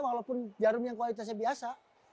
walaupun jarum yang kualitasnya biasa